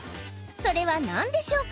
それは何でしょうか？